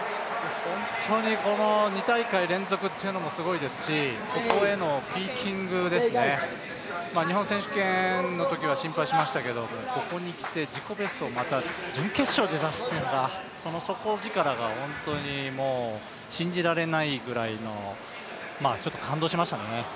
本当にこの２大会連続というのもすごいですし、ここへのピーキングですね、日本選手権のときは心配しましたけど、ここにきて自己ベストを準決勝で出すというその底力が本当に信じられないくらいの、ちょっと感動しましたね。